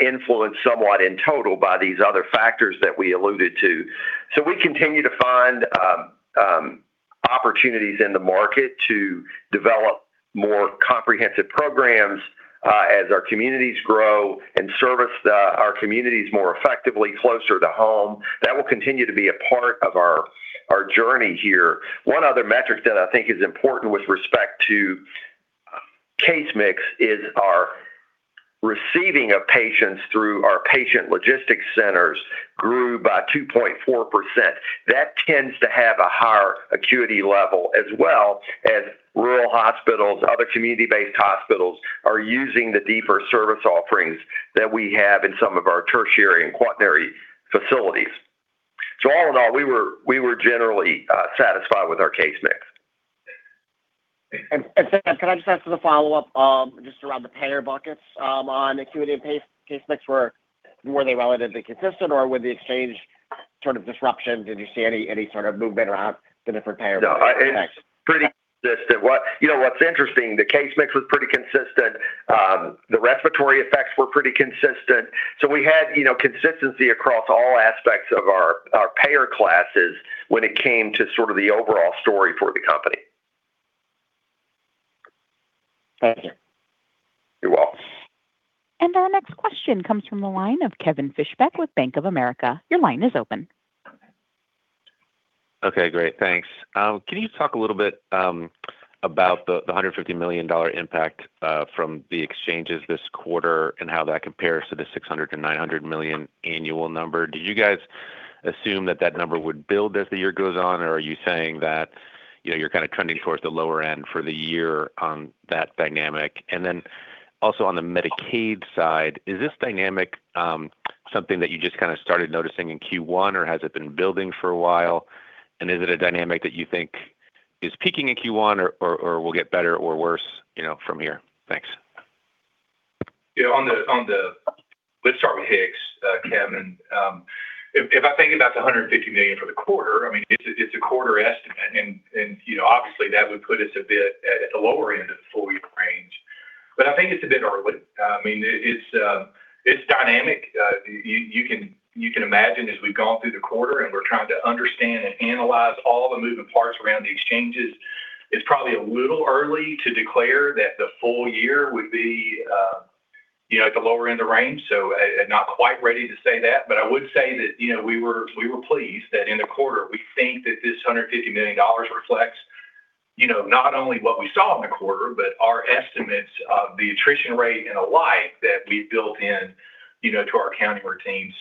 influenced somewhat in total by these other factors that we alluded to. We continue to find opportunities in the market to develop more comprehensive programs as our communities grow and service our communities more effectively closer to home. That will continue to be a part of our journey here. One other metric that I think is important with respect to case mix is our receiving of patients through our Patient Logistics Centers grew by 2.4%. That tends to have a higher acuity level, as well as rural hospitals, other community-based hospitals are using the deeper service offerings that we have in some of our tertiary and quaternary facilities. All in all, we were generally satisfied with our case mix. Sam, can I just ask as a follow-up, just around the payer buckets on acuity and case mix were they relatively consistent or with the exchange sort of disruption, did you see any sort of movement around the different payer effects? No, it's pretty consistent. What's interesting, the case mix was pretty consistent. The respiratory effects were pretty consistent. We had consistency across all aspects of our payer classes when it came to sort of the overall story for the company. Thank you. You're welcome. Our next question comes from the line of Kevin Fischbeck with Bank of America. Your line is open. Okay, great. Thanks. Can you talk a little bit about the $150 million impact from the exchanges this quarter and how that compares to the $600 million-$900 million annual number? Do you guys assume that that number would build as the year goes on? Or are you saying that you're kind of trending towards the lower end for the year on that dynamic? And then also on the Medicaid side, is this dynamic something that you just kind of started noticing in Q1, or has it been building for a while? And is it a dynamic that you think is peaking in Q1 or will get better or worse from here? Thanks. Let's start with HIX, Kevin. If I think about the $150 million for the quarter, it's a quarter estimate, and obviously that would put us a bit at the lower end of the full year range. I think it's a bit early. It's dynamic. You can imagine as we've gone through the quarter and we're trying to understand and analyze all the moving parts around the exchanges, it's probably a little early to declare that the full year would be at the lower end of range. Not quite ready to say that, but I would say that we were pleased that in the quarter, we think that this $150 million reflects not only what we saw in the quarter, but our estimates of the attrition rate and the like that we've built in to our accounting routine.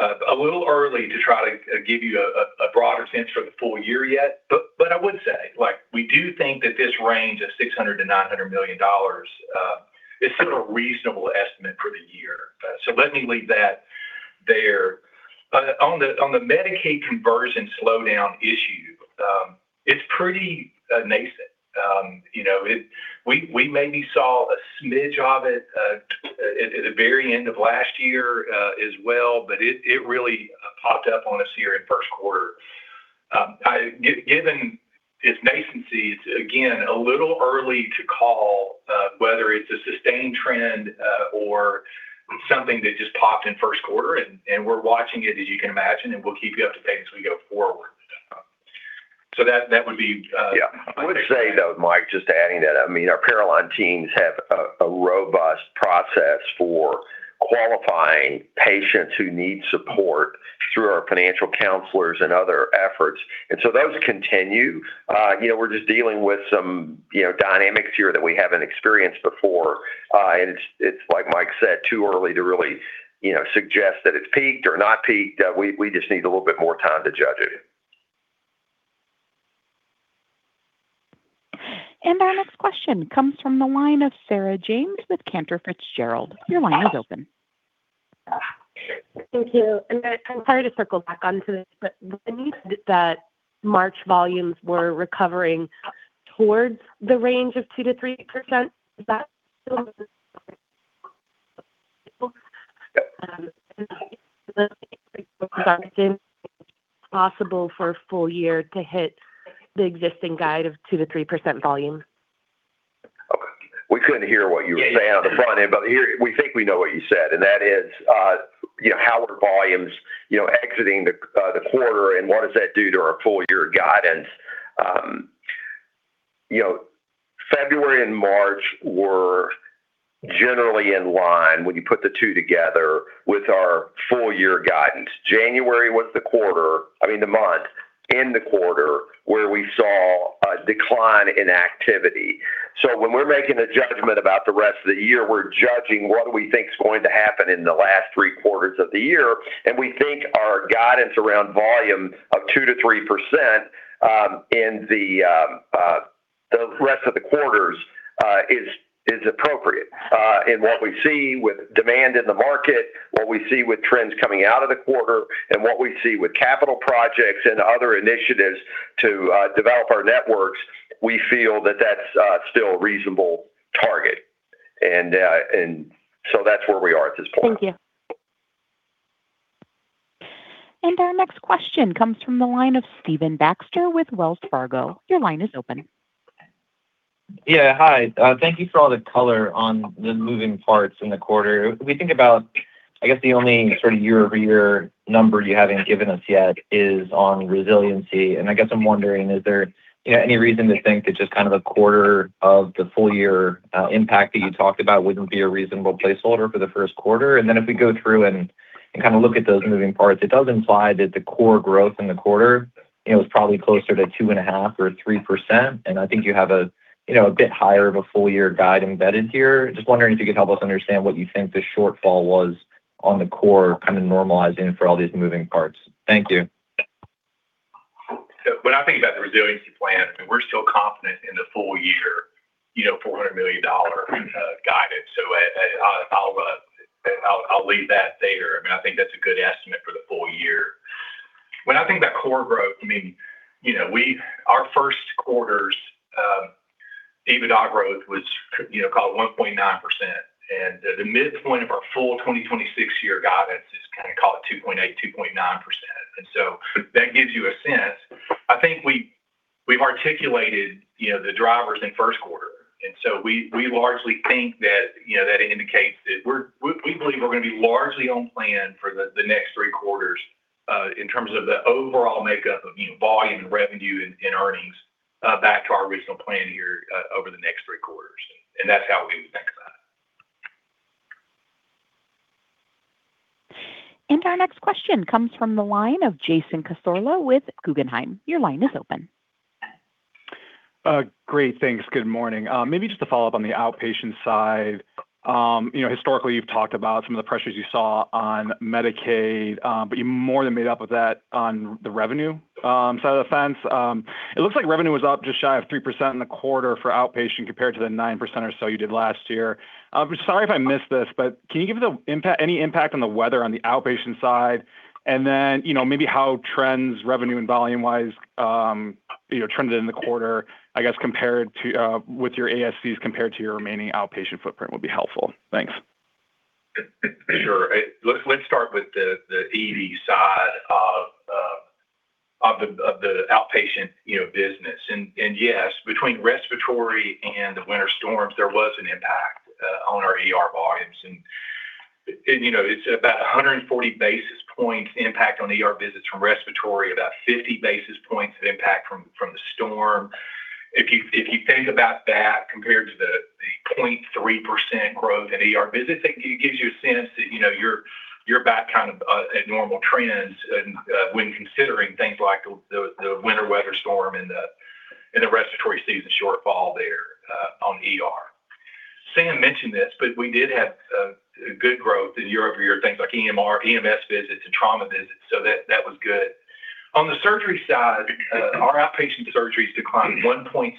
A little early to try to give you a broader sense for the full year yet. I would say, we do think that this range of $600 million-$900 million is still a reasonable estimate for the year. Let me leave that there. On the Medicaid conversion slowdown issue, it's pretty nascent. We maybe saw a smidge of it at the very end of last year as well, but it really popped up on us here in first quarter. Given its nascency, it's again, a little early to call whether it's a sustained trend or something that just popped in first quarter, and we're watching it as you can imagine, and we'll keep you up to date as we go forward. That would be. Yeah. I would say, though, Mike, just adding that, our front-line teams have a robust process for qualifying patients who need support through our financial counselors and other efforts. Those continue. We're just dealing with some dynamics here that we haven't experienced before. It's like Mike said, too early to really suggest that it's peaked or not peaked. We just need a little bit more time to judge it. Our next question comes from the line of Sarah James with Cantor Fitzgerald. Your line is open. Thank you. I'm sorry to circle back onto this, but when you said that March volumes were recovering towards the range of 2%-3%, is that still possible for a full year to hit the existing guide of 2%-3% volume? We couldn't hear what you were saying on the front end, but we think we know what you said, and that is how are volumes exiting the quarter and what does that do to our full-year guidance. February and March were generally in line when you put the two together with our full-year guidance. January was the month in the quarter where we saw a decline in activity. When we're making a judgment about the rest of the year, we're judging what we think is going to happen in the last three quarters of the year, and we think our guidance around volume of 2%-3% in the rest of the quarters is appropriate in what we see with demand in the market, what we see with trends coming out of the quarter, and what we see with capital projects and other initiatives to develop our networks. We feel that that's still a reasonable target. That's where we are at this point. Thank you. Our next question comes from the line of Stephen Baxter with Wells Fargo. Your line is open. Yeah, hi. Thank you for all the color on the moving parts in the quarter. When we think about, I guess, the only sort of year-over-year number you haven't given us yet is on resiliency, and I guess I'm wondering, is there any reason to think that just kind of a quarter of the full year impact that you talked about wouldn't be a reasonable placeholder for the first quarter? If we go through and kind of look at those moving parts, it does imply that the core growth in the quarter, it was probably closer to 2.5% or 3%, and I think you have a bit higher of a full year guide embedded here. Just wondering if you could help us understand what you think the shortfall was on the core, kind of normalizing for all these moving parts. Thank you. When I think about the resiliency plan, we're still confident in the full year, $400 million guidance. I'll leave that there. I think that's a good estimate for the full year. When I think about core growth, our first quarter's EBITDA growth was call it 1.9%, and the midpoint of our full 2026 year guidance is kind of call it 2.8%, 2.9%. That gives you a sense. I think we've articulated the drivers in first quarter, and so we largely think that indicates that we believe we're going to be largely on plan for the next three quarters in terms of the overall makeup of volume and revenue and earnings back to our original plan here over the next three quarters. That's how we would think about it. Our next question comes from the line of Jason Cassorla with Guggenheim. Your line is open. Great. Thanks. Good morning. Maybe just to follow up on the outpatient side. Historically, you've talked about some of the pressures you saw on Medicaid, but you more than made up with that on the revenue side of the fence. It looks like revenue was up just shy of 3% in the quarter for outpatient compared to the 9% or so you did last year. Sorry if I missed this, but can you give any impact of the weather on the outpatient side, and then maybe how revenue and volume-wise trends in the quarter, I guess, with your ASCs compared to your remaining outpatient footprint would be helpful. Thanks. Sure. Let's start with the ED side of the outpatient business. Yes, between respiratory and the winter storms, there was an impact on our ER volumes. It's about 140 basis points impact on ER visits from respiratory, about 50 basis points of impact from the storm. If you think about that compared to the 0.3% growth in ER visits, it gives you a sense that you're back kind of at normal trends when considering things like the winter weather storm and the respiratory season shortfall there on the ER. Sam mentioned this, but we did have good growth in year-over-year things like EMR, EMS visits, and trauma visits, so that was good. On the surgery side, our outpatient surgeries declined 1.7%,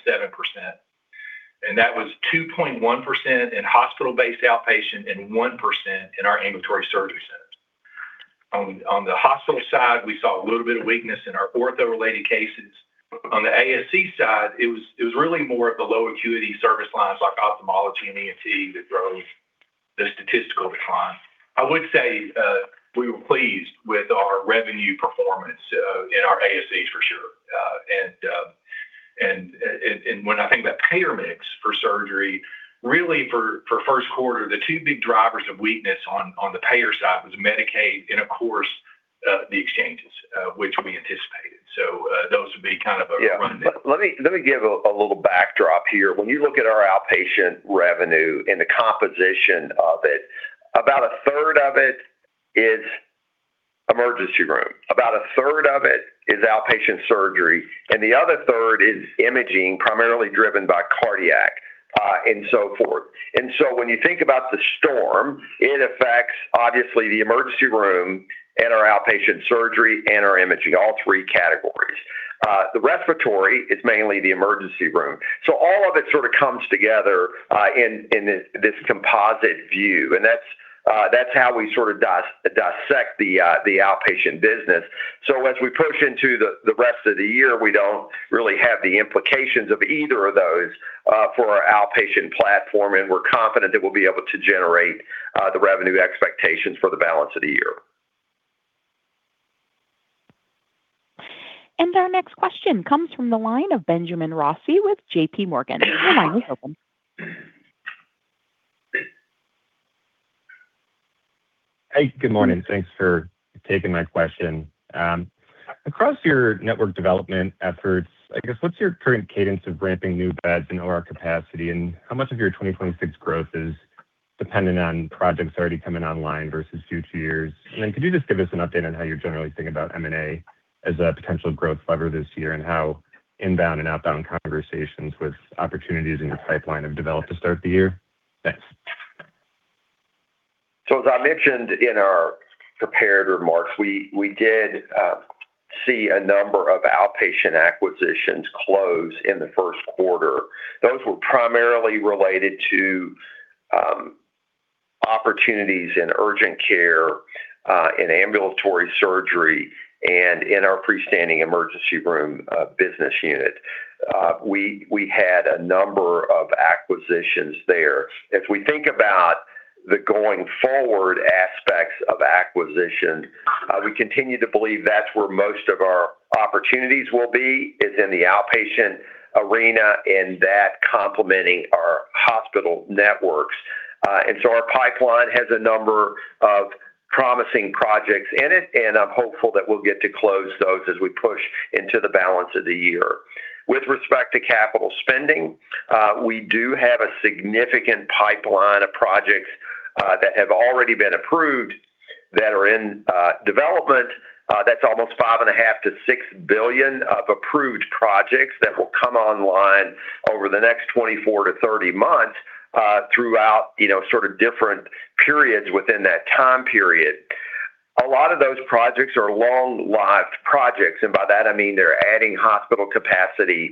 and that was 2.1% in hospital-based outpatient and 1% in our ambulatory surgery centers. On the hospital side, we saw a little bit of weakness in our ortho-related cases. On the ASC side, it was really more of the low acuity service lines like ophthalmology and ENT that drove the statistical decline. I would say we were pleased with our revenue performance in our ASCs for sure. When I think about payer mix for surgery, really for first quarter, the two big drivers of weakness on the payer side was Medicaid and of course, the exchanges, which we anticipated. Those would be kind of a rundown. Let me give a little backdrop here. When you look at our outpatient revenue and the composition of it, about a third of it is emergency room, about a third of it is outpatient surgery, and the other third is imaging, primarily driven by cardiac and so forth. When you think about the storm, it affects obviously the emergency room and our outpatient surgery and our imaging, all three categories. The respiratory is mainly the emergency room. All of it sort of comes together in this composite view. That's how we sort of dissect the outpatient business. As we push into the rest of the year, we don't really have the implications of either of those for our outpatient platform, and we're confident that we'll be able to generate the revenue expectations for the balance of the year. Our next question comes from the line of Benjamin Rossi with JPMorgan. Your line is open. Hey, good morning. Thanks for taking my question. Across your network development efforts, I guess, what's your current cadence of ramping new beds and OR capacity, and how much of your 2026 growth is dependent on projects already coming online versus future years? Could you just give us an update on how you generally think about M&A as a potential growth lever this year, and how inbound and outbound conversations with opportunities in your pipeline have developed to start the year? Thanks. As I mentioned in our prepared remarks, we did see a number of outpatient acquisitions close in the first quarter. Those were primarily related to opportunities in urgent care, in ambulatory surgery, and in our freestanding emergency room business unit. We had a number of acquisitions there. If we think about the going forward aspects of acquisition, we continue to believe that's where most of our opportunities will be, is in the outpatient arena, and that complementing our hospital networks. Our pipeline has a number of promising projects in it, and I'm hopeful that we'll get to close those as we push into the balance of the year. With respect to capital spending, we do have a significant pipeline of projects that have already been approved that are in development. That's almost $5.5 billion-$6 billion of approved projects that will come online over the next 24-30 months, throughout different periods within that time period. A lot of those projects are long-lived projects, and by that I mean they're adding hospital capacity,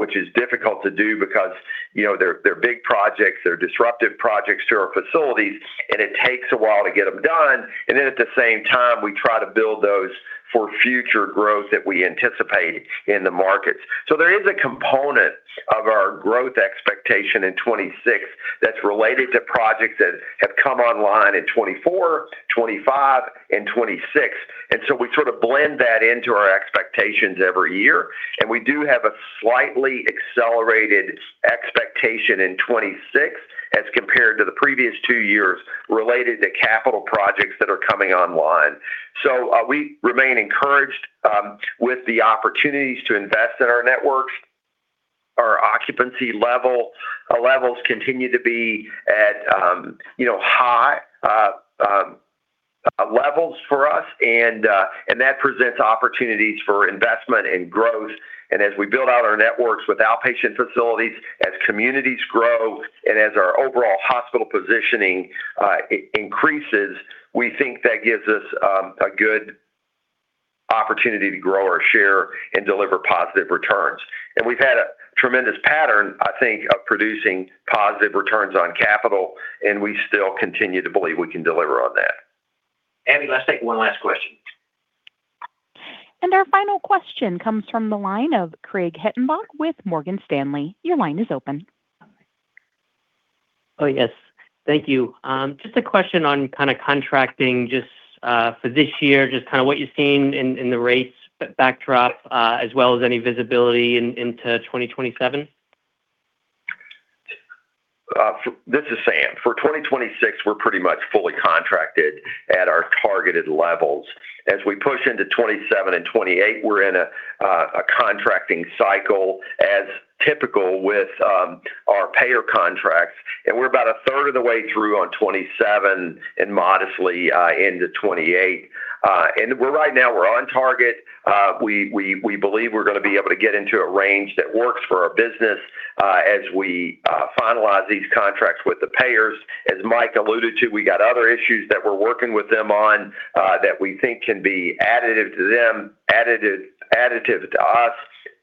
which is difficult to do because they're big projects, they're disruptive projects to our facilities, and it takes a while to get them done. At the same time, we try to build those for future growth that we anticipate in the markets. There is a component of our growth expectation in 2026 that's related to projects that have come online in 2024, 2025, and 2026. We sort of blend that into our expectations every year. We do have a slightly accelerated expectation in 2026 as compared to the previous two years related to capital projects that are coming online. We remain encouraged with the opportunities to invest in our networks. Our occupancy levels continue to be at high levels for us, and that presents opportunities for investment and growth. As we build out our networks with outpatient facilities, as communities grow, and as our overall hospital positioning increases, we think that gives us a good opportunity to grow our share and deliver positive returns. We've had a tremendous pattern, I think, of producing positive returns on capital, and we still continue to believe we can deliver on that. Abby, let's take one last question. Our final question comes from the line of Craig Hettenbach with Morgan Stanley. Your line is open. Oh, yes. Thank you. Just a question on kind of contracting just for this year, just kind of what you're seeing in the rates backdrop, as well as any visibility into 2027. This is Sam. For 2026, we're pretty much fully contracted at our targeted levels. As we push into 2027 and 2028, we're in a contracting cycle as typical with our payer contracts, and we're about a third of the way through on 2027 and modestly into 2028. Right now we're on target. We believe we're going to be able to get into a range that works for our business as we finalize these contracts with the payers. As Mike alluded to, we got other issues that we're working with them on that we think can be additive to them, additive to us,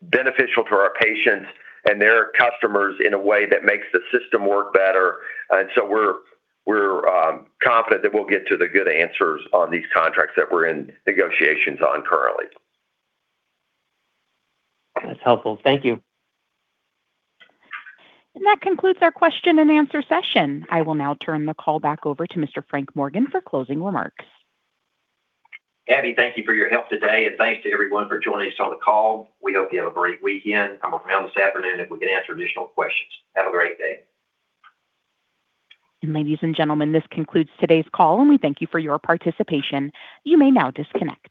beneficial to our patients and their customers in a way that makes the system work better. We're confident that we'll get to the good answers on these contracts that we're in negotiations on currently. That's helpful. Thank you. That concludes our question and answer session. I will now turn the call back over to Mr. Frank Morgan for closing remarks. Abby, thank you for your help today, and thanks to everyone for joining us on the call. We hope you have a great weekend. I'm around this afternoon if we can answer additional questions. Have a great day. Ladies and gentlemen, this concludes today's call, and we thank you for your participation. You may now disconnect.